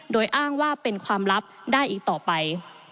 โดยอ้างว่าเป็นความลับได้อีกต่อไป